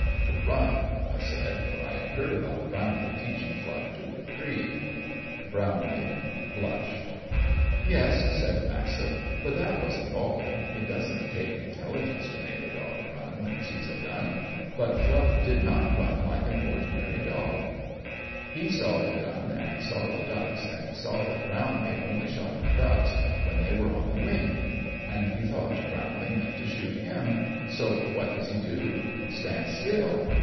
"To run," I said, for I had heard about Brownlee teaching Fluff to retrieve. Brownlee blushed. "Yes," said Massett, "but that wasn't all. It doesn't take intelligence to make a dog run when he sees a gun, but Fluff did not run like an ordinary dog. He saw the gun and he saw the ducks, and he saw that Brownlee only shot at ducks when they were on the wing. And he thought Brownlee meant to shoot him, so what does he do? Stand still?